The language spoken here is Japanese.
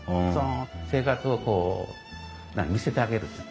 その生活をこう見せてあげる。